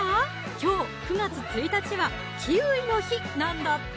今日９月１日はキウイの日なんだって！